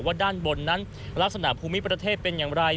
ด้านบนนั้นลักษณะภูมิประเทศเป็นอย่างไร